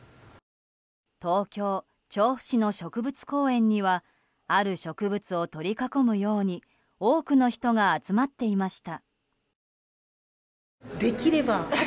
東京・調布市の植物公園にはある植物を取り囲むように多くの人が集まっていました。